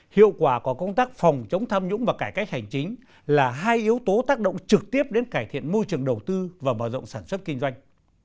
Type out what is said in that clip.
hiệu quả của công tác phòng chống tham nhũng và cải cách hành chính là hai yếu tố tác động trực tiếp đến cải thiện môi trường đầu tư và mở rộng sản xuất kinh doanh